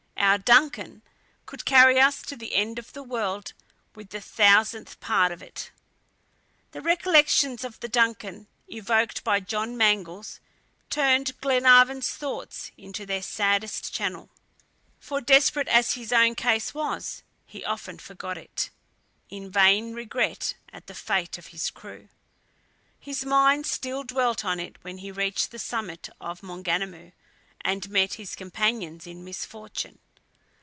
Our DUNCAN would carry us to the end of the world with the thousandth part of it." The recollections of the DUNCAN evoked by John Mangles turned Glenarvan's thoughts into their saddest channel; for desperate as his own case was he often forgot it, in vain regret at the fate of his crew. His mind still dwelt on it when he reached the summit of Maunganamu and met his companions in misfortune.